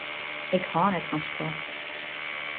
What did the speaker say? Ik hâld net fan sport.